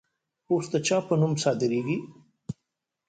اوس د چا په نوم صادریږي؟